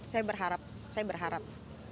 saya berharap saya berharap